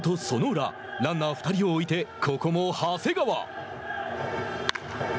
ランナー２人を置いてここも長谷川。